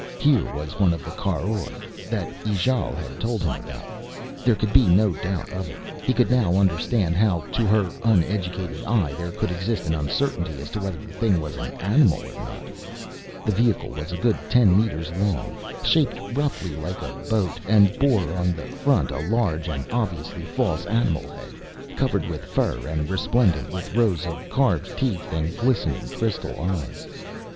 Here was one of the caroj that Ijale had told him about: there could be no doubt of it. He could now understand how, to her uneducated eye, there could exist an uncertainty as to whether the thing was an animal or not. The vehicle was a good ten meters long, shaped roughly like a boat, and bore on the front a large and obviously false animal head covered with fur and resplendent with rows of carved teeth and glistening crystal eyes.